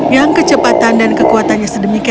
yang kecepatan dan kekuatannya sedemikian